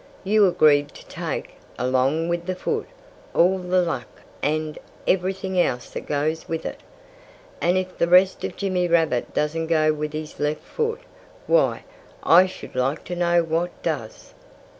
"You agreed to take, along with the foot, all the luck and everything else that goes with it. And if the rest of Jimmy Rabbit doesn't go with his left hind foot, why I should like to know what does!"